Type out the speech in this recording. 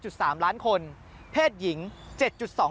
กลับวันนั้นไม่เอาหน่อย